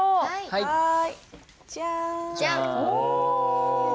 はい。